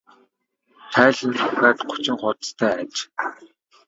Тайлан нь дахиад гучин хуудастай аж.